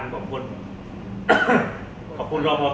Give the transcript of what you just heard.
นักแกร่งเยอะมาก